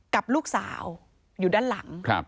กับลูกสาวอยู่ด้านหลัง